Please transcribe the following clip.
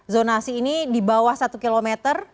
zonasi ini di bawah satu km